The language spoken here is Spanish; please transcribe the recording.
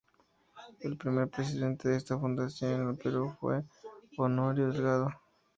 El primer presidente de esta fundación en el Perú fue Honorio Delgado.